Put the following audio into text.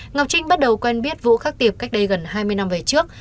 ngọc trinh bắt đầu quen biết vũ khắc tiệp cách đây gần hai mươi năm về trước